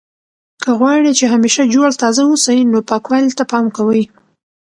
که غواړئ چې همیشه جوړ تازه اوسئ نو پاکوالي ته پام کوئ.